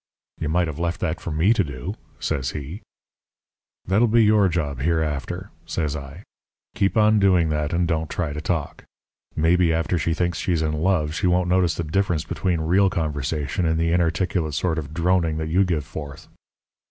"'You might have left that for me to do,' says he. "'That'll be your job hereafter,' says I. 'Keep on doing that and don't try to talk. Maybe after she thinks she's in love she won't notice the difference between real conversation and the inarticulate sort of droning that you give forth.'